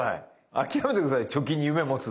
諦めて下さい貯金に夢持つの。